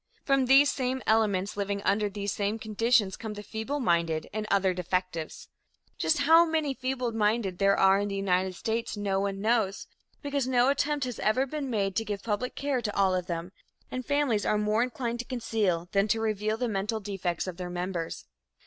From these same elements, living under these same conditions come the feebleminded and other defectives. Just how many feebleminded there are in the United States, no one knows, because no attempt has ever been made to give public care to all of them, and families are more inclined to conceal than to reveal the mental defects of their members.